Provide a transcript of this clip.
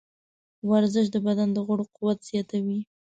ورزش د بدن د غړو قوت زیاتوي.